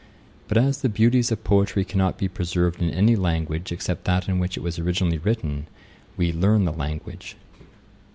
But as the beauties of poetry cannot be preserved in any language except that in which it was originally written, we learn the language.'